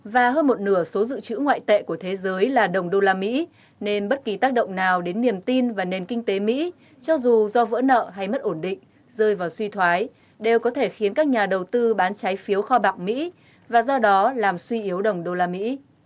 và hơn một nửa số dự trữ ngoại tệ của thế giới là đồng đô la mỹ nên bất kỳ tác động nào đến niềm tin và nền kinh tế mỹ cho dù do vỡ nợ hay mất ổn định rơi vào suy thoái đều có thể khiến các nhà đầu tư bán trái phiếu kho bạc mỹ và do đó làm suy yếu đồng đô la mỹ